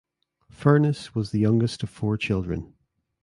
Furness was the youngest of four children.